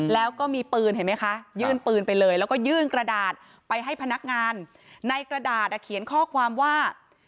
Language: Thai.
แล้วก็มีปืนเห็นไหมคะยื่นปืนไปเลยแล้วก็ยื่นกระดาษไปให้พนักงานในกระดาษเขียนข้อความว่า